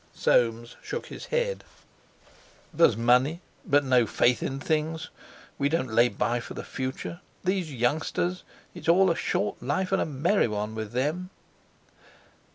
Soames shook his head. "There's money, but no faith in things. We don't lay by for the future. These youngsters—it's all a short life and a merry one with them."